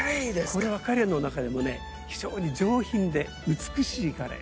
これはカレイの中でも非常に上品で美しいカレイ。